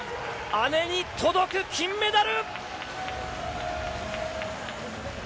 姉に届く金メダル。